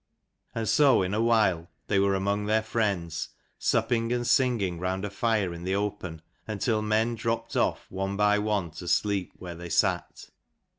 And so in a while they were among their friends, supping and singing round a fire in the open, until men dropped off one by one to sleep where they sat.